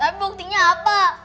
tapi buktinya apa